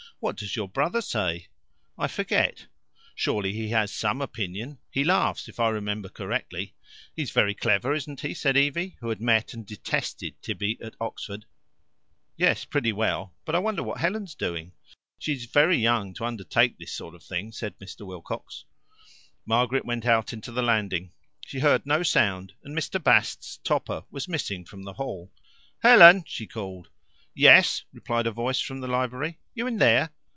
What does your brother say?" "I forget." "Surely he has some opinion?" "He laughs, if I remember correctly." "He's very clever, isn't he?" said Evie, who had met and detested Tibby at Oxford. "Yes, pretty well but I wonder what Helen's doing." "She is very young to undertake this sort of thing," said Mr. Wilcox. Margaret went out into the landing. She heard no sound, and Mr. Bast's topper was missing from the hall. "Helen!" she called. "Yes!" replied a voice from the library. "You in there?"